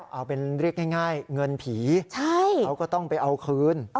เอาเป็นเรียกง่ายเงินผีเขาก็ต้องไปเอาคืน